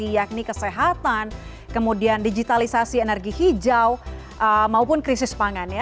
yakni kesehatan kemudian digitalisasi energi hijau maupun krisis pangan ya